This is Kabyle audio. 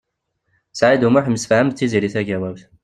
Saɛid U Muḥ yemsefham d Tiziri Tagawawt.